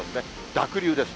濁流です。